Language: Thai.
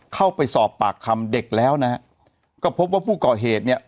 เข้าไปสอบปากคำเด็กแล้วนะฮะก็พบว่าผู้ก่อเหตุเนี่ย